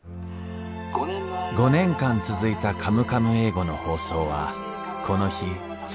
５年間続いた「カムカム英語」の放送はこの日最後となりました